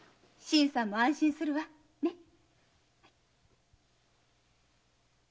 新さんも安心するわ。ね？